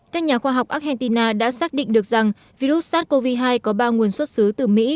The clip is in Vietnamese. các nhà khoa học argentina đã xác định được rằng virus sars cov hai có ba nguồn xuất xứ từ mỹ